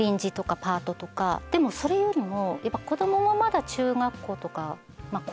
でもそれよりも。